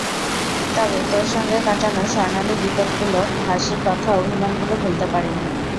তবে তোর সঙ্গে কাটানো স্বর্ণালি বিকেলগুলোর হাসি, কথা, অভিমানগুলো ভুলতে পারিনি।